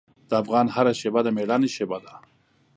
د افغان هره شېبه د میړانې شېبه ده.